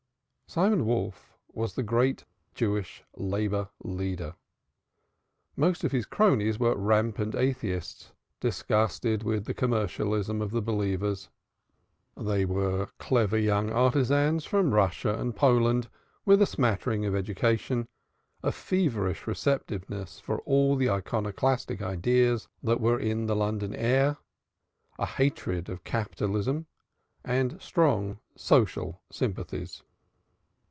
Simon Wolf was the great Jewish labor leader. Most of his cronies were rampant atheists, disgusted with the commercialism of the believers. They were clever young artisans from Russia and Poland with a smattering of education, a feverish receptiveness for all the iconoclastic ideas that were in the London air, a hatred of capitalism and strong social sympathies.